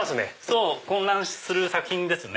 そう混乱する作品ですね。